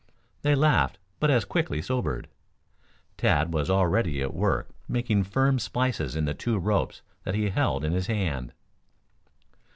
They laughed, but as quickly sobered. Tad was already at work making firm splices in the two ropes that he held in his hand.